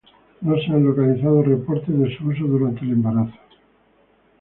No se han localizado reportes de su uso durante el embarazo.